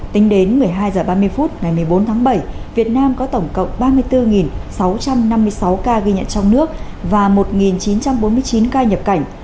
tính đến một mươi hai h ba mươi phút ngày một mươi bốn tháng bảy việt nam có tổng cộng ba mươi bốn sáu trăm năm mươi sáu ca ghi nhận trong nước và một chín trăm bốn mươi chín ca nhập cảnh